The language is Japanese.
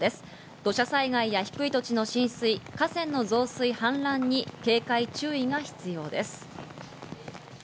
土砂災害や低い土地の浸水、河川の増水や氾濫に警戒、注意が必要です。